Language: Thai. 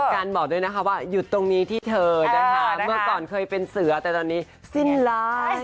การบอกด้วยนะคะว่าหยุดตรงนี้ที่เธอนะคะเมื่อก่อนเคยเป็นเสือแต่ตอนนี้สิ้นไลฟ์